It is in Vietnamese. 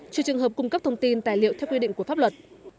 trừ trường hợp cung cấp thông tin tài liệu theo quy định của pháp luật